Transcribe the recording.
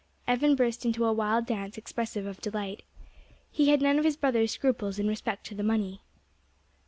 Evan burst into a wild dance expressive of delight. He had none of his brother's scruples in respect to the money.